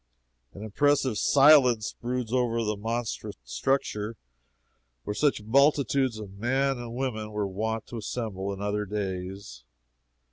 An impressive silence broods over the monstrous structure where such multitudes of men and women were wont to assemble in other days.